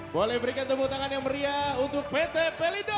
boleh berikan tepuk tangan yang meriah untuk pt pelindo